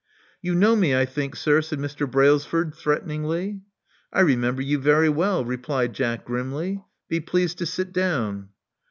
You know me, I think, sir," said Mr. Brailsford, threateningly. I remember you very well," replied Jack grimly. Be pleased to sit down."